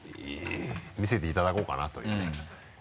見せていただこうかな？というね。